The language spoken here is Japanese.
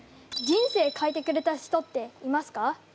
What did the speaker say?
人生変えてくれた人っていますか？